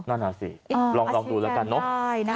นั่นอ่ะสิลองดูแล้วกันเนอะ